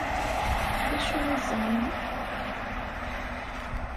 D acu i ẓẓan?